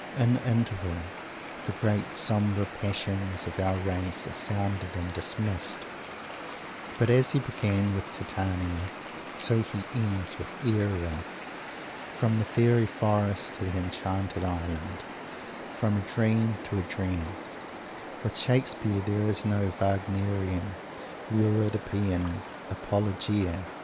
In the interval the great sombre passions of our race are sounded and dismissed; but as he began with Titania, so he ends with Ariel. From the fairy forest to the enchanted island; from a dream to a dream. With Shakespeare there is no Wagnerian, Euripidean "apologia."